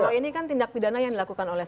kalau ini kan tindak pidana yang dilakukan oleh